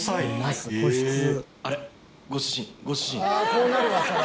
こうなるわそりゃ。